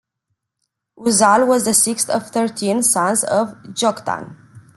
Uzal was the sixth of thirteen sons of Joktan.